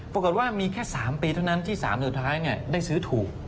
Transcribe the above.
ปรากฏว่ามีแค่๓ปีเท่านั้นที่๓สุดท้ายได้ซื้อถูก